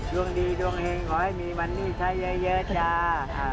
ดวงดีดวงแห่งขอให้มีมันนี่ชัยเยอะจ้า